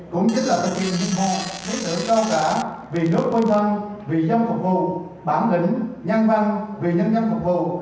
cũng chính là tình nguyện dịch vụ lý tưởng cao cả vì nước quân văn vì dân phục vụ bản lĩnh nhân văn vì nhân dân phục vụ